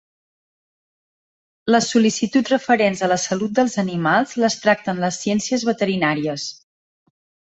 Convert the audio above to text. Les sol·licituds referents a la salut dels animals les tracten les ciències veterinàries.